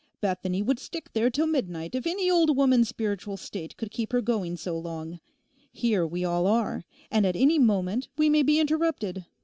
Bethany would stick there till midnight if any old woman's spiritual state could keep her going so long. Here we all are, and at any moment we may be interrupted.